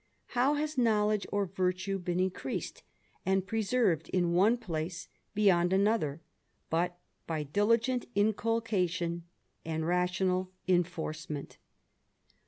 How has knowledge '^ 'virtue been increased and preserved in one place be r^^d another; but by diligent inculcation and rational "^^Orcement?